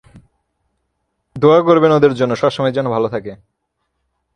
দোয়া করবেন ওদের জন্য, সবসময় যেন ভালো থাকে।